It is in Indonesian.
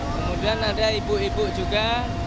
kemudian ada ibu ibu juga